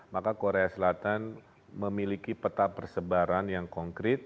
maka korea selatan memiliki peta persebaran yang konkret